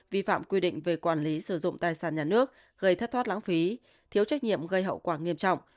vi phạm quy định về quản lý sử dụng tài sản nhà nước gây thất thoát lãng phí thiếu trách nhiệm gây hậu quả nghiêm trọng